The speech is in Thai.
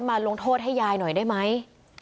ลงโทษให้ยายหน่อยได้ไหม